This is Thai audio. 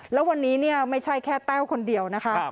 แล้ววันนี้ไม่ใช่แค่แต้วคนเดียวนะคะ